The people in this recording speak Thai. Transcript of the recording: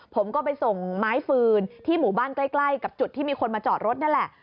ผมก็ไปส่งไม้ฟืนที่หมู่บ้านใกล้กับจุดที่มีคนมาจอดรถนั่นแหละ